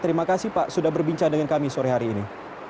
terima kasih pak sudah berbincang dengan kami sore hari ini